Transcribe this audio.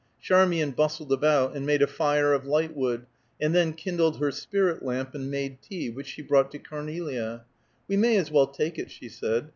Charmian bustled about, and made a fire of lightwood, and then kindled her spirit lamp, and made tea, which she brought to Cornelia. "We may as well take it," she said.